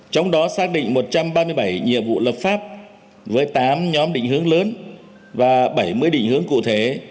trong đó xác định một trăm ba mươi bảy nhiệm vụ lập pháp với tám nhóm định hướng lớn và bảy mươi định hướng cụ thể